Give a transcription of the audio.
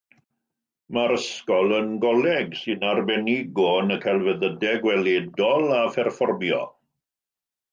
Mae'r ysgol yn Goleg sy'n arbenigo yn y celfyddydau gweledol a pherfformio.